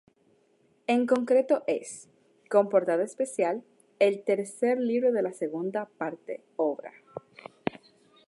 En concreto es, con portada especial, el tercer libro de la segunda parte obra.